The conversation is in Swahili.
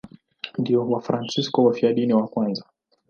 Ndio Wafransisko wafiadini wa kwanza.